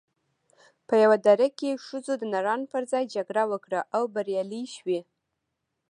په یوه دره کې ښځو د نرانو پر ځای جګړه وکړه او بریالۍ شوې